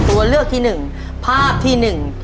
ตัวเลือกที่หนึ่งภาพที่หนึ่ง